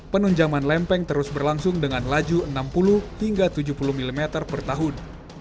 penunjaman lempeng terus berlangsung dengan laju enam puluh hingga tujuh puluh mm per tahun